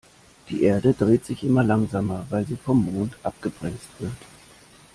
Die Erde dreht sich immer langsamer, weil sie vom Mond abgebremst wird.